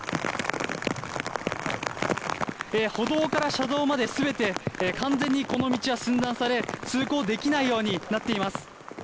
歩道から車道まですべて完全にこの道は寸断され、通行できないようになっています。